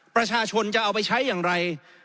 ประชาชนจะเอาไปใช้อย่างไร